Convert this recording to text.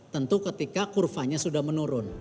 tentu ketika kurvanya sudah menurun